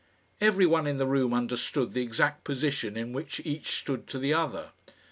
Every one in the room understood the exact position in which each stood to the other.